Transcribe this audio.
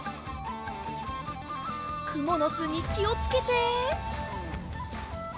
くものすにきをつけて。